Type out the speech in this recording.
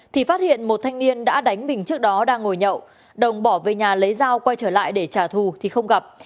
thì phát hiện một thanh niên đã đánh mình trước đó đang ngồi nhậu đồng bỏ về nhà lấy dao quay trở lại để trả thù thì không gặp